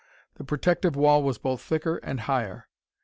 The protective wall was both thicker and higher.